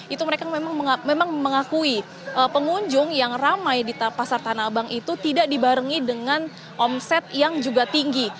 itu mereka memang mengakui pengunjung yang ramai di pasar tanah abang itu tidak dibarengi dengan omset yang juga tinggi